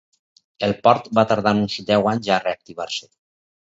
El port va tardar uns deu anys a reactivar-se.